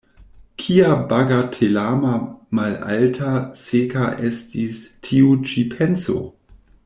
Kia bagatelama, malalta, seka estis tiu ĉi penso!